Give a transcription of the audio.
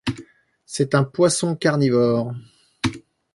C'est un poisson carnivore.